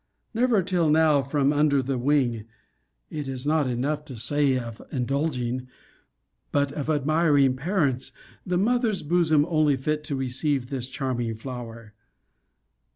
Never till now from under the wing (it is not enough to say of indulging, but) of admiring parents; the mother's bosom only fit to receive this charming flower!